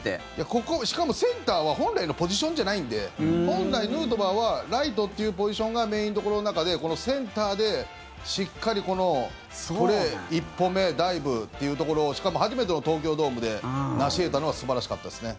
ここ、しかもセンターは本来のポジションじゃないんで本来、ヌートバーはライトというポジションがメインどころの中でこのセンターでしっかりこのプレー１歩目ダイブというところをしかも初めての東京ドームで成し得たのは素晴らしかったですね。